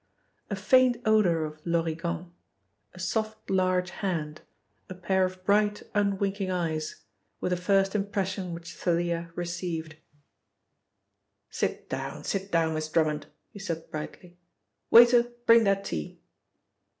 A faint odour of l'origan, a soft large hand, a pair of bright unwinking eyes, were the first impressions which Thalia received. "Sit down, sit down, Miss Drummond," he said brightly. "Waiter, bring that tea."